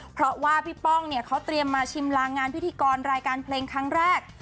เพราะว่าพี่ป้องเนี่ยเขาเตรียมมาชิมลางงานพิธีกรรายการเพลงครั้งแรก